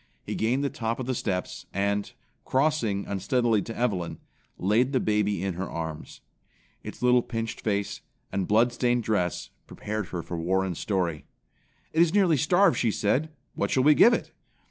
He gained the top of the steps and, crossing unsteadily to Evelyn, laid the baby in her arms. Its little pinched face, and bloodstained dress prepared her for Warren's story. "It is nearly starved," she said. "What shall we give it?"